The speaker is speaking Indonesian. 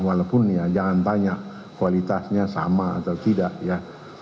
walaupun ya jangan tanya kualitasnya sama atau tidak ya